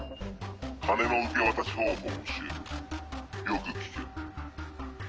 金の受け渡し方法を教えるよく聞け。